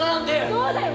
「そうだよ